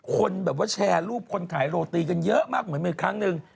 คนแบบว่าแชร์รูปคนขายโรตีกันเยอะมากเหมือนครั้งหนึ่ง